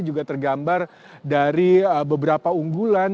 juga tergambar dari beberapa unggulan